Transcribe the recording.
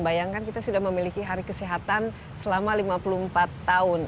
bayangkan kita sudah memiliki hari kesehatan selama lima puluh empat tahun